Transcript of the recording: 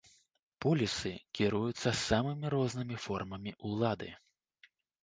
Полісы кіруюцца самымі рознымі формамі ўлады.